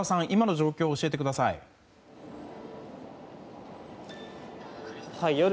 今の状況を教えてください。